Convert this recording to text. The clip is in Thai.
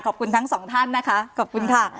ขอบคุณทั้งสองท่านนะคะขอบคุณค่ะ